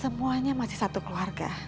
semuanya masih satu keluarga